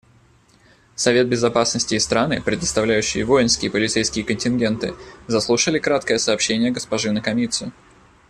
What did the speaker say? Совет Безопасности и страны, предоставляющие воинские и полицейские контингенты, заслушали краткое сообщение госпожи Накамицу.